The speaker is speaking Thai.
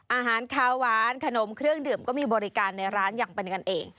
อาหารขาวหวานขนมเครื่องดื่มก็มีบริการในร้านอย่างเป็นกันเอง